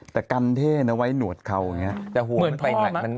แต่กรรมเท่นะไว้หนวดเขาอย่างนี้